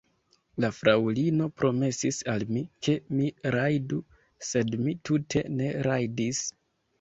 La fraŭlino promesis al mi, ke mi rajdu, sed mi tute ne rajdis.